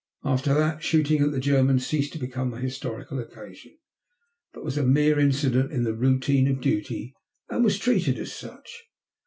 After that, shooting at the Germans ceased to become a historical occasion, but was a mere incident in the routine of duty, and was treated as such.